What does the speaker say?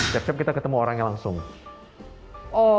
lepeti chef menangkap orang yang langsung menangkapnya